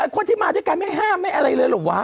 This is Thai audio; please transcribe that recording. คนที่มาพยายามถ้างั้นไม่อะไรเลยหรอวะ